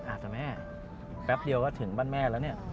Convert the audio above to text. ความสุขที่ได้อยู่พร้อมต้น